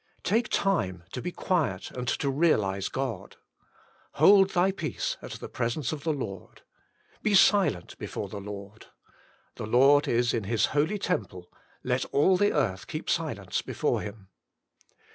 '' Take time to be quiet and to realise God. " Hold thy peace at the presence of the Lord.'' " Be silent before the Lord." "The Lord is in His Holy temple; let all the earth keep silence before Him."